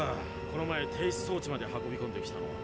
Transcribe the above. この前停止装置まで運びこんできたのは。